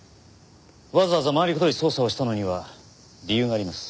わざわざ回りくどい捜査をしたのには理由があります。